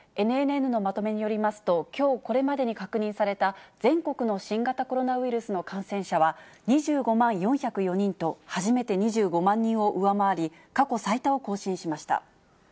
ＮＮＮのまとめによりますと、きょうこれまでに確認された全国の新型コロナウイルスの感染者は２５万４０４人と、初めて２５万人を上回り、過去最多を更新しま